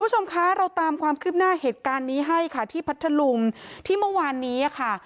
คุณผู้ชมคะเราตามความคืบหน้าเหตุการณ์นี้ให้ค่ะที่พัทธลุงที่เมื่อวานนี้ค่ะ